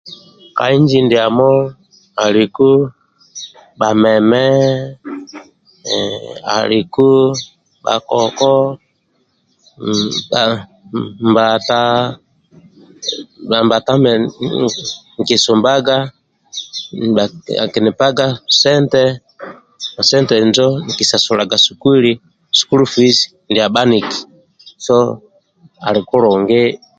Kainji ndiamo aliku bhameme alikuba koko mbata mbata injo inkisumbaga nkisasulaga sukulu fizi ndia bhaniki so ali kulungi